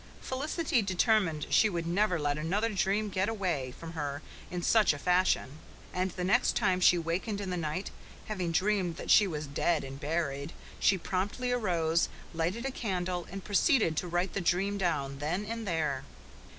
Felicity determined she would never let another dream get away from her in such a fashion; and the next time she wakened in the night having dreamed that she was dead and buried she promptly arose, lighted a candle, and proceeded to write the dream down then and there.